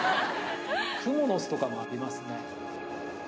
クモの巣とかもありますね。